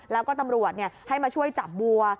แล้วก็ตำรวจให้มาช่วยจับบัว